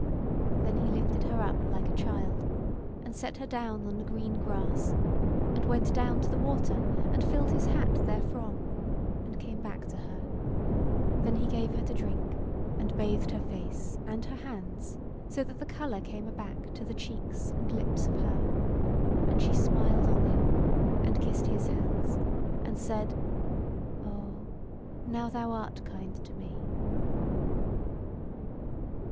Then he lifted her up like a child, and set her down on the green grass, and went down to the water, and filled his hat therefrom, and came back to her; then he gave her to drink, and bathed her face and her hands, so that the colour came aback to the cheeks and lips of her: and she smiled on him and kissed his hands, and said: "O now thou art kind to me."